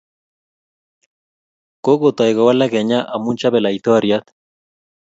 Kokotai kowalak Kenya amu chobe laitoriat